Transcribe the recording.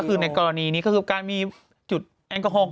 ก็คือในกรณีนี้ก็คือการมีจุดแอลกอฮอล